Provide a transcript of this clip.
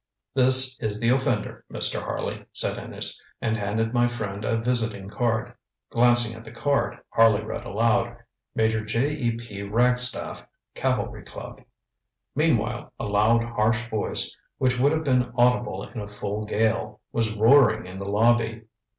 ŌĆØ ŌĆ£This is the offender, Mr. Harley, ŌĆØ said Innes, and handed my friend a visiting card. Glancing at the card, Harley read aloud: ŌĆ£Major J. E. P. Ragstaff, Cavalry Club.ŌĆØ Meanwhile a loud harsh voice, which would have been audible in a full gale, was roaring in the lobby.